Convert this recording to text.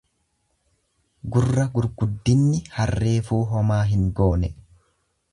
Gurra gurguddinni harreefuu homaa hin goone.